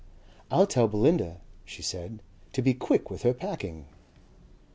"I'll tell Belinda," she said, "to be quick with her packing."